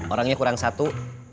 orangnya kurang satu